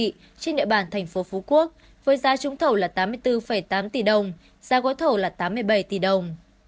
trên địa bàn thành phố phú quốc với giá trúng thầu là tám mươi bốn tám tỷ đồng giá gói thầu là tám mươi bảy tỷ đồng